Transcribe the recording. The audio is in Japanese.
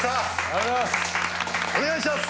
お願いします！